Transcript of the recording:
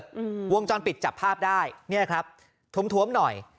อืมวงจรปิดจับภาพได้เนี้ยครับถวมถวมหน่อย